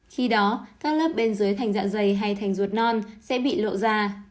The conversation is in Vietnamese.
khi đó các lớp bên dưới thành dạ dày hay thành ruột non sẽ bị lộ ra